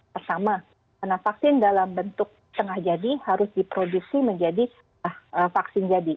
pertama karena vaksin dalam bentuk tengah jadi harus diproduksi menjadi vaksin jadi